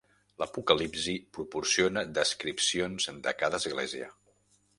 L'Apocalipsi proporciona descripcions de cada Església.